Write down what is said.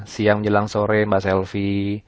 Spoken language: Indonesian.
siang menjelang sore mbak selvi